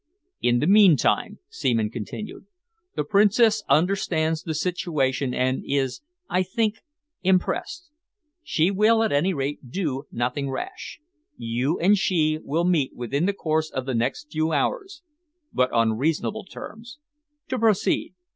"In the meantime," Seaman continued, "the Princess understands the situation and is, I think, impressed. She will at any rate do nothing rash. You and she will meet within the course of the next few hours, but on reasonable terms. To proceed!